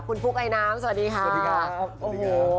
คุณฟุ๊กไอน้ำสวัสดีค่ะสวัสดีค่ะโอ้โห